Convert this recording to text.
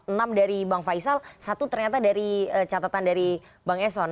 enam dari bang faisal satu ternyata dari catatan dari bang eson